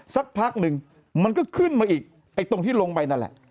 สักพักหนึ่งมันก็ขึ้นมาอีกไอ้ตรงที่ลงไปนั่นแหละ